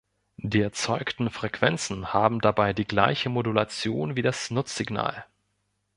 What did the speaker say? Die erzeugten Frequenzen haben dabei die gleiche Modulation wie das Nutzsignal.